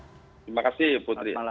terima kasih putri